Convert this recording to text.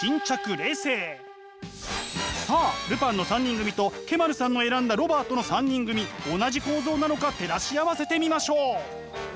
さあ「ルパン」の三人組とＫ−ｍａｒｕさんの選んだロバートの三人組同じ構造なのか照らし合わせてみましょう。